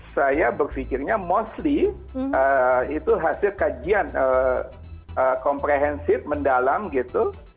saya berpikirnya mostly itu hasil kajian komprehensif mendalam gitu